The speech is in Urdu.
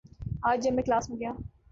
آج جب میں کلاس میں گیا